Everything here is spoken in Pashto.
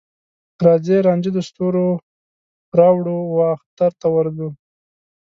راځې رانجه د ستوروراوړو، واخترته ورځو